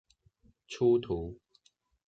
出圖